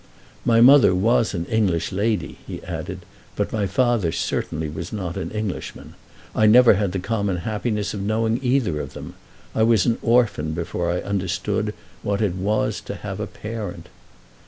"My mother was an English lady," he added, "but my father certainly was not an Englishman. I never had the common happiness of knowing either of them. I was an orphan before I understood what it was to have a parent."